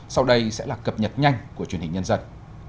sau đây sẽ là cập nhật nhanh của truyền hình nhân dân